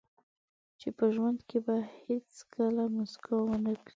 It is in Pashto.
چې په ژوند کې به هیڅکله موسکا ونه کړئ.